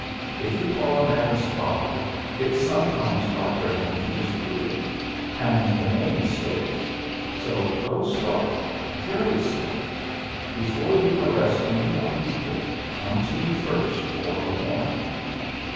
If you call a man a spy, it's sometimes hard for him to disprove it; and the name sticks. So, go slow very slow. Before you arrest any more people, come to me first for a warrant."